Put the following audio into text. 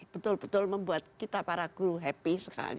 betul betul membuat kita para guru happy sekali